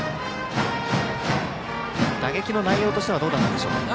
打撃の内容としてはどうだったでしょうか。